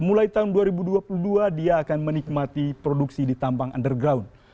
mulai tahun dua ribu dua puluh dua dia akan menikmati produksi di tampang underground